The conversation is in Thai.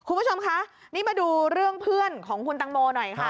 คุณผู้ชมคะนี่มาดูเรื่องเพื่อนของคุณตังโมหน่อยค่ะ